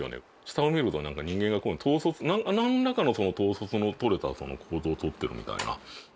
下を見るとなんか人間が統率何らかの統率の取れた行動取ってるみたいな。